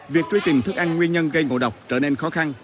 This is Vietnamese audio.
việc truy tìm thức ăn nguyên nhân gây ngộ độc trở nên khó khăn